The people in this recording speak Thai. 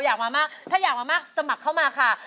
อยากมามากถ้าอยากมามากสมัครเข้ามาค่ะ